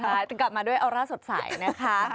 ใช่กลับมาด้วยออร่าสดใสนะคะ